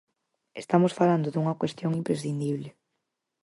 Estamos falando dunha cuestión imprescindible.